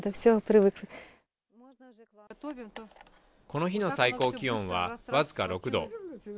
この日の最高気温はわずか６度。